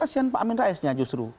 kasian pak amin raisnya justru